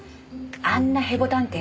あんなヘボ探偵